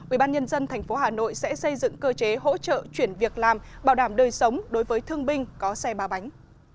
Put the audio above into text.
ubnd tp hà nội sẽ xây dựng cơ chế hỗ trợ chuyển việc làm bảo đảm đời sống đối với thương binh có xe ba bánh